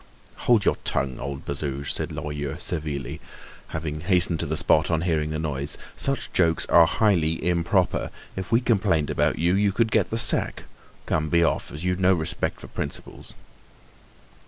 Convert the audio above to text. "Hold your tongue, old Bazouge!" said Lorilleux severely, having hastened to the spot on hearing the noise, "such jokes are highly improper. If we complained about you, you would get the sack. Come, be off, as you've no respect for principles."